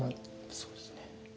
そうですね。